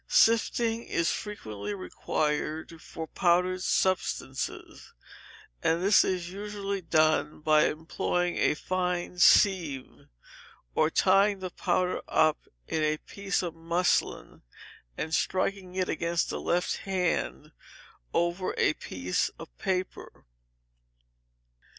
Sifting is frequently required for powdered substances, and this is usually done by employing a fine sieve, or tying the powder up in a piece of muslin, and striking it against the left hand over a piece of paper.